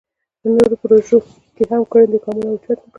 نورو پروژو کې یې هم ګړندي ګامونه اوچت نکړل.